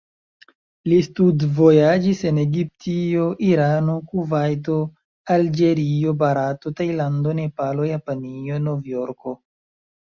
Li studvojaĝis en Egiptio, Irano, Kuvajto, Alĝerio, Barato, Tajlando, Nepalo, Japanio, Novjorko.